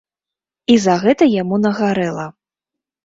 І за гэта яму нагарэла.